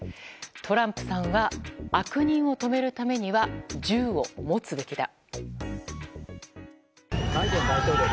トランプさんは悪人を止めるためには銃を持つべきだ。